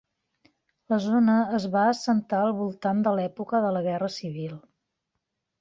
La zona es va assentar al voltant de l'època de la guerra civil.